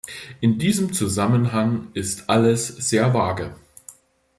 In diesem Zusammenhang ist alles sehr vage.